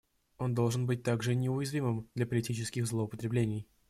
Он должен быть также неуязвимым для политических злоупотреблений.